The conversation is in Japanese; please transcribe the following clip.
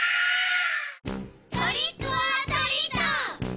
トリックオアトリート！